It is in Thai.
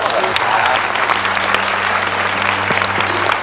ขอบคุณครับ